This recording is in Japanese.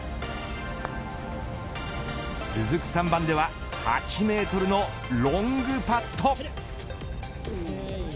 続く３番では８メートルのロングパット。